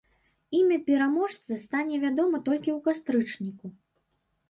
Імя пераможцы стане вядома толькі ў кастрычніку.